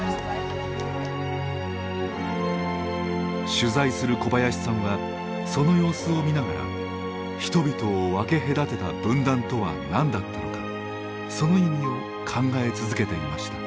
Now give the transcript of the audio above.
取材する小林さんはその様子を見ながら人々を分け隔てた分断とは何だったのかその意味を考え続けていました。